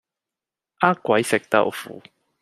呃鬼食豆腐